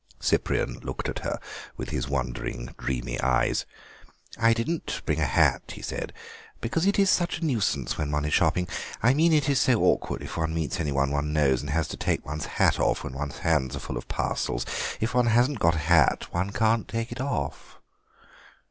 Cyprian looked at her with his wondering, dreamy eyes. "I didn't bring a hat," he said, "because it is such a nuisance when one is shopping; I mean it is so awkward if one meets anyone one knows and has to take one's hat off when one's hands are full of parcels. If one hasn't got a hat on one can't take it off."